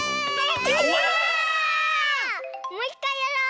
もういっかいやろう！